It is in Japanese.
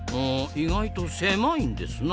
意外と狭いんですな。